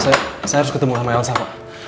saya harus ketemu sama elsa pak